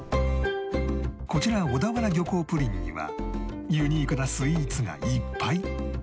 こちら小田原漁港プリンにはユニークなスイーツがいっぱい！